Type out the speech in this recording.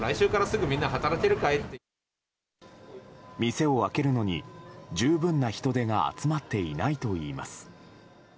店を開けるのに十分な人手が集まっていないといいます。